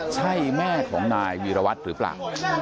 ใช่แม่ของนายวีรวัตรหรือเปล่า